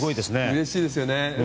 うれしいですよね。